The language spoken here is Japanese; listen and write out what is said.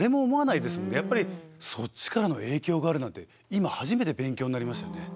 やっぱりそっちからの影響があるなんて今初めて勉強になりましたよね。